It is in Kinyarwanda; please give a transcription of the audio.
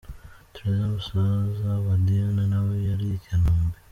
Tresor musaza wa Diane nawe yari i Kanombe.